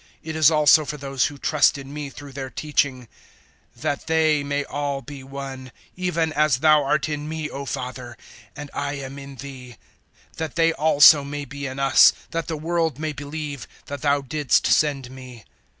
It is also for those who trust in me through their teaching; 017:021 that they may all be one, even as Thou art in me, O Father, and I am in Thee; that they also may be in us; that the world may believe that Thou didst send me.